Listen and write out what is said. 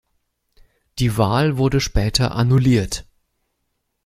Die Wahl wurde später annulliert.